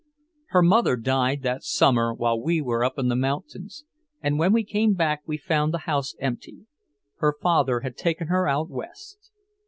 Her mother died that summer while we were up in the mountains, and when we came back we found the house empty. Her father had taken her out West.